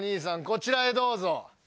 こちらへどうぞ。